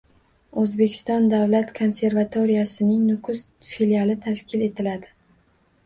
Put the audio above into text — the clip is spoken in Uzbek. O‘zbekiston Davlat konservatoriyasining Nukus filiali tashkil etiladi